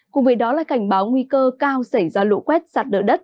cùng với đó là cảnh báo nguy cơ cao xảy ra lũ quét sạt lở đất